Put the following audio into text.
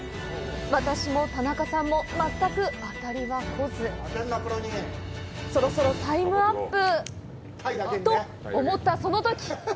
私も田中さんも全く当たりは来ずそろそろタイムアップと思ったそのとき！